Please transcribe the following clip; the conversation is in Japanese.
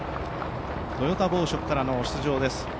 トヨタ紡織からの出場です。